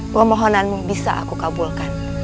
pemohonanmu bisa aku kabulkan